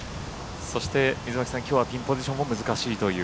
そしてきょうはピンポジションも難しいという。